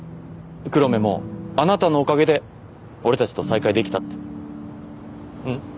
黒目もあなたのおかげで俺たちと再会できたってん？